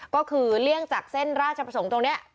ก็คือเลี่ยงจากเส้นราชประสงค์ตรงนี้